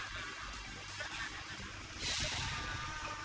aku datang lagi